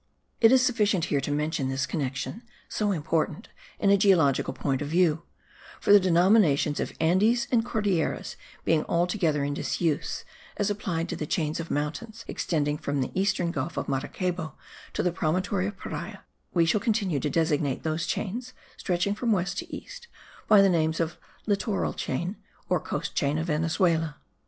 It is sufficient here to mention this connexion, so important in a geological point of view; for the denominations of Andes and Cordilleras being altogether in disuse as applied to the chains of mountains extending from the eastern gulf of Maracaibo to the promontory of Paria, we shall continue to designate those chains (stretching from west to east) by the names of littoral chain, or coast chain of Venezuela.